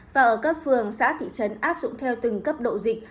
và ở cấp phường xã thị trấn áp dụng theo từng cấp độ dịch